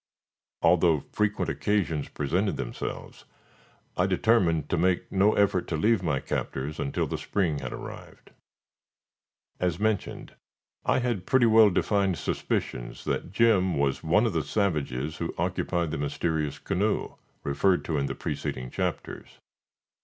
Although frequent occasions presented themselves, I determined to make no effort to leave my captors until the spring had arrived. As mentioned, I had pretty well defined suspicions that Jim was one of the savages who occupied the mysterious canoe, referred to in the preceding chapters.